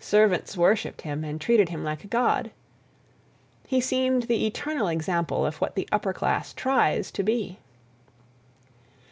Servants worshipped him, and treated him like a god. He seemed the eternal example of what the upper class tries to be.